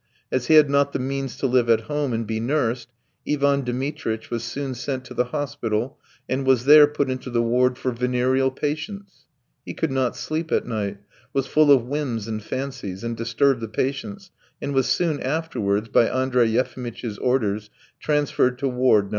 As he had not the means to live at home and be nursed, Ivan Dmitritch was soon sent to the hospital, and was there put into the ward for venereal patients. He could not sleep at night, was full of whims and fancies, and disturbed the patients, and was soon afterwards, by Andrey Yefimitch's orders, transferred to Ward No.